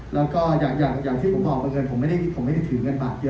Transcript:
แล้วก็อย่างที่ผมบอกไปเลยผมไม่ได้ถือเงินบาทเยอะ